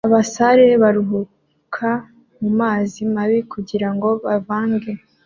Abasare baruhuka mumazi mabi kugirango bavange